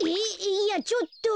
いやちょっと。